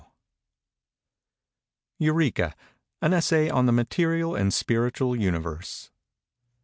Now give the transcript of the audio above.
EUREKA: AN ESSAY ON THE MATERIAL AND SPIRITUAL UNIVERSE.